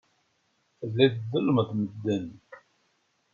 Telliḍ tḍellmeḍ medden.